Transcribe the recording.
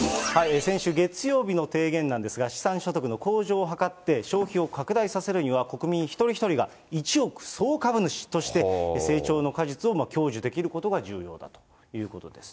先週月曜日の提言なんですが、資産所得の向上を図って消費を拡大させるには、国民一人一人が一億総株主として成長の果実を享受できることが重要だということです。